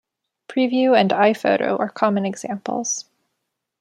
Preview and iPhoto are common examples.